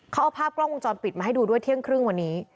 เขาเอาภาพกล้องวงจรปิดมาให้ดูด้วยเที่ยงครึ่งวันนี้